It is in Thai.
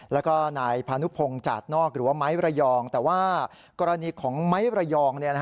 แล้วก็นายพานุพงศ์จาดนอกหรือว่าไม้ระยองแต่ว่ากรณีของไม้ระยอง